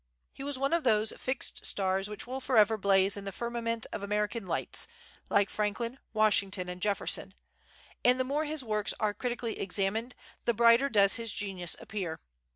He was one of those fixed stars which will forever blaze in the firmament of American lights, like Franklin, Washington, and Jefferson; and the more his works are critically examined, the brighter does his genius appear.